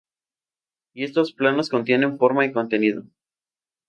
Y estos planos contienen forma y contenido.